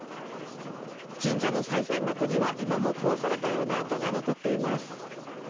神社のさい銭箱には今も壊されたような跡が残っています。